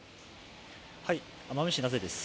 奄美市名瀬です。